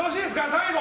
最後。